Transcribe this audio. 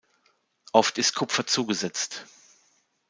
Oft ist Kupfer zugesetzt.